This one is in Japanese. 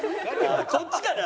こっちかな？